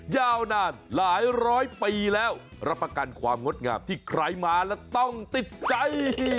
ยาวนานหลายร้อยปีแล้วรับประกันความงดงามที่ใครมาแล้วต้องติดใจ